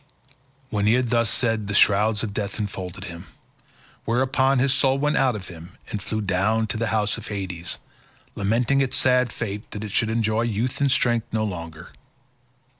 When he had thus said the shrouds of death enfolded him, whereon his soul went out of him and flew down to the house of Hades, lamenting its sad fate that it should enjoy youth and strength no longer.